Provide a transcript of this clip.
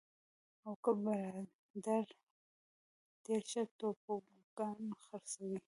اوک برادرز ډېر ښه توبوګان خرڅوي.